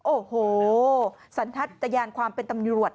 โอ้โหสันทัศยานความเป็นตำรวจ